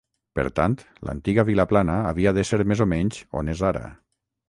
Per tant, l'antiga Vilaplana havia d'ésser més o menys on és ara.